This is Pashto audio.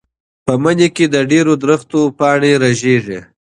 په مني کې د ډېرو ونو پاڼې رژېږي.